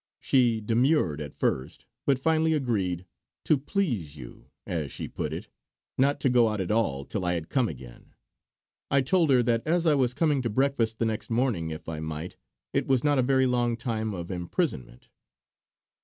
She demurred at first; but finally agreed 'to please you' as she put it not to go out at all till I had come again. I told her that as I was coming to breakfast the next morning if I might, it was not a very long time of imprisonment.